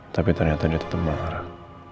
tapi ternyata dia tetap marah